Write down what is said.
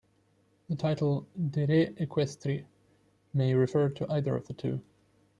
The title "De re equestri" may refer to either of the two.